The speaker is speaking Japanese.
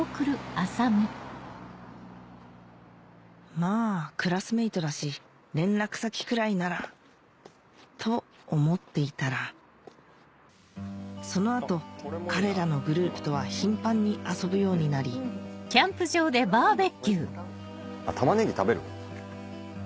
まぁクラスメートだし連絡先くらいならと思っていたらその後彼らのグループとは頻繁に遊ぶようになり玉ねぎ食べる？